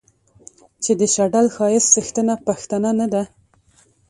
چې د شډل ښايست څښتنه پښتنه نه ده